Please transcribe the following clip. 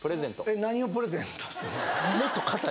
えっ何をプレゼントすんの？